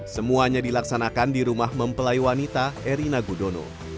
semuanya dilaksanakan di rumah mempelai wanita erina gudono